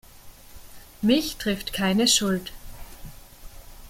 Mich trifft keine Schuld.